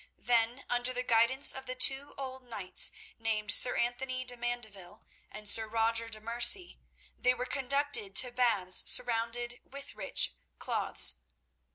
Then, under the guidance of two old knights named Sir Anthony de Mandeville and Sir Roger de Merci, they were conducted to baths surrounded with rich cloths.